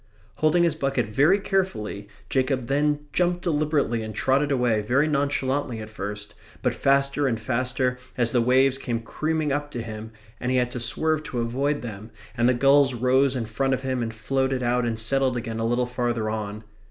Holding his bucket very carefully, Jacob then jumped deliberately and trotted away very nonchalantly at first, but faster and faster as the waves came creaming up to him and he had to swerve to avoid them, and the gulls rose in front of him and floated out and settled again a little farther on.